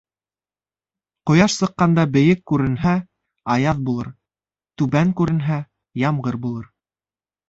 Ҡояш сыҡҡанда бейек күренһә, аяҙ булыр, түбән күренһә, ямғыр булыр.